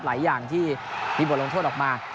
หลายอย่างที่มีบทลงโทษออกมา